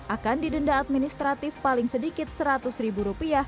akan didenda administratif paling sedikit rp seratus